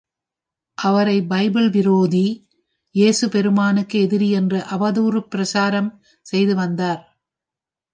அவரை பைபிள் விரோதி, இயேசு பெருமானுக்கு எதிரி என்ற அவதூறுப் பிரச்சாரம் செய்து வந்தார்.